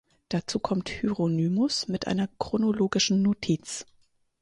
Dazu kommt Hieronymus mit einer chronologischen Notiz.